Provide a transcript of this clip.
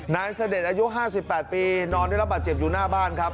เสด็จอายุ๕๘ปีนอนได้รับบาดเจ็บอยู่หน้าบ้านครับ